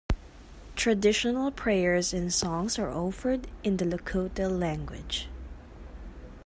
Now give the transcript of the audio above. Traditional prayers and songs are offered in the Lakota language.